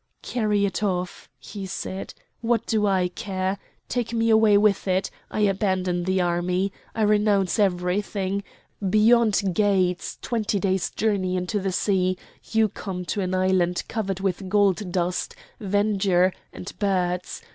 "Carry it off," he said, "what do I care? take me away with it! I abandon the army! I renounce everything! Beyond Gades, twenty days' journey into the sea, you come to an island covered with gold dust, verdure, and birds.